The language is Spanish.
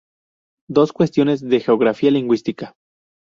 Dos cuestiones de geografía lingüística.